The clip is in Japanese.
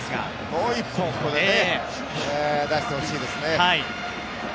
もう一本、ここで出してほしいですね。